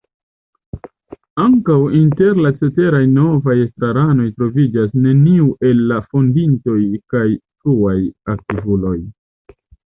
Ankaŭ inter la ceteraj novaj estraranoj troviĝis neniu el la fondintoj kaj fruaj aktivuloj.